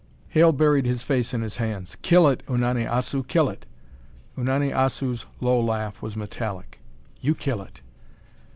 Hale buried his face in his hands. "Kill it, Unani Assu! Kill it!" Unani Assu's low laugh was metallic. "You kill it."